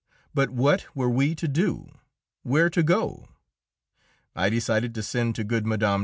But what were we to do? where to go? I decided to send to good Mme.